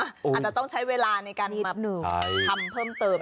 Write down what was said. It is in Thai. อาจจะต้องใช้เวลาในการทำเพิ่มเติม